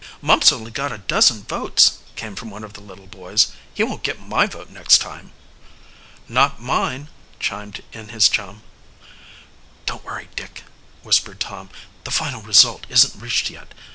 "Mumps only got a dozen votes," came from one of the little boys. "He won't get my vote next time." "Nor mine," chimed in his chum. "Don't worry, Dick," whispered Tom. "The final result isn't reached yet.